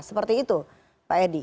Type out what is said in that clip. seperti itu pak edi